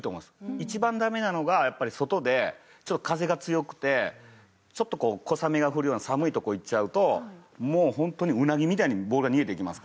一番ダメなのがやっぱり外で風が強くてちょっと小雨が降るような寒い所行っちゃうともうホントにうなぎみたいにボールが逃げていきますから。